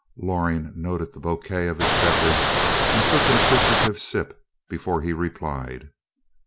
Loring noted the bouquet of his beverage and took an appreciative sip before he replied.